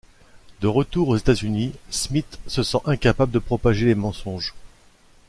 De retour aux États-Unis, Smith se sent incapable de propager les mensonges.